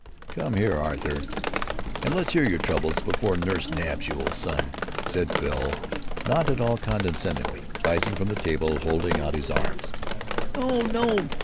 "Come here, Arthur, and let's hear your troubles before nurse nabs you, old son," said Phil, not at all condescendingly, rising from the table, holding out his arms. "No, no!